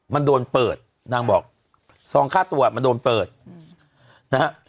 มันโดนเปิดนางบอกซองค่าตัวมันโดนเปิดนะฮะ